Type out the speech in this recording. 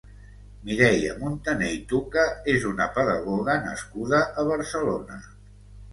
Mireia Montané i Tuca és una pedagoga nascuda a Barcelona.